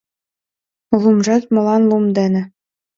Лумжат молан лум дене